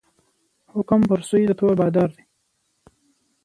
حکم پر سوی د تور بادار دی